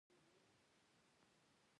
د کندهار انار کومو هیوادونو ته ځي؟